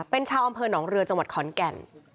เป็นชาวอำเภอหนองเรือจังหวัดขอนแก่น